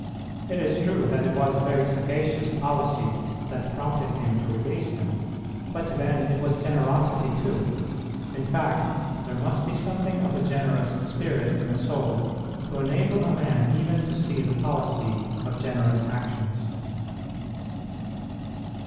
It is true that it was a very sagacious policy that prompted him to release him. But, then, it was generosity too. In fact, there must be something of a generous spirit in the soul to enable a man even to see the policy of generous actions.